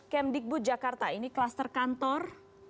kem digbud jakarta ini kluster kantor